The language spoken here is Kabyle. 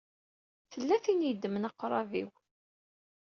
Tella tin i yeddmen aqṛab-iw.